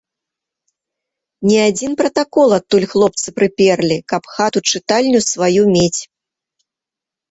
Не адзін пратакол адтуль хлопцы прыперлі, каб хату-чытальню сваю мець.